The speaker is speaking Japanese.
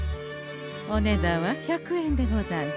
お値段は１００円でござんす。